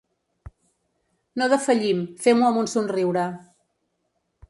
No defallim, fem-ho amb un somriure.